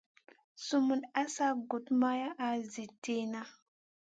Sumun asa gudmaha zi tiyna.